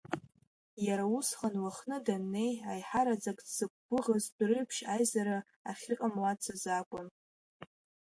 Иара усҟан, Лыхны даннеи, аиҳараӡак дзықәгәыӷыз Дәрыԥшь аизара ахьыҟамлацыз акәын.